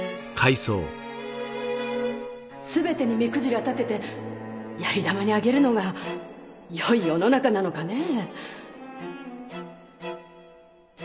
すべてに目くじら立てて槍玉に挙げるのがよい世の中なのかねぇ？